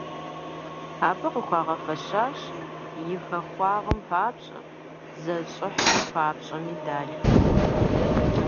Абы къыхуагъэфэщащ «И хахуагъэм папщӏэ», «Дзэ щӏыхьым папщӏэ» медалхэр.